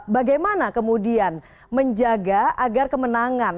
bagaimana kemudian menjaga agar kemenangan